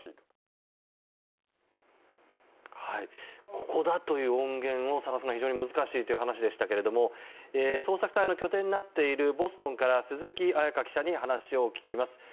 ここだという音源を探すのは非常に難しいという話でしたけど捜索隊の拠点になっているボストンから鈴木彩加記者に話を聞きます。